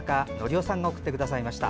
夫さんが送ってくださいました。